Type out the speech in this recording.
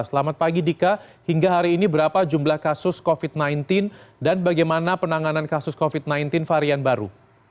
selamat pagi dika hingga hari ini berapa jumlah kasus covid sembilan belas dan bagaimana penanganan kasus covid sembilan belas varian baru